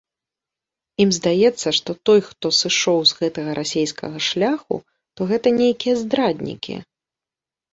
Ім здаецца, што той, хто сышоў з гэтага расейскага шляху, то гэта нейкія здраднікі.